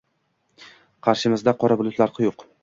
Qarshimizda qora bulutlar quyuq